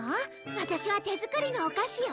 ワタシは手作りのお菓子よ。